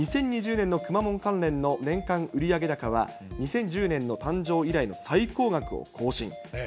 ２０２０年のくまモン関連の年間売上高は２０１０年の誕生以来の最高額を更新。